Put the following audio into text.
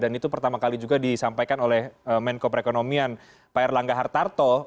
dan itu pertama kali juga disampaikan oleh menko perekonomian pak erlangga hartarto